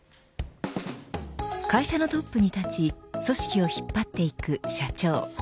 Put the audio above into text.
会社のトップに立ち組織を引っ張っていく社長。